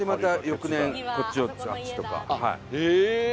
へえ！